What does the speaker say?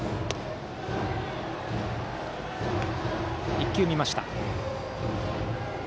１球見ました。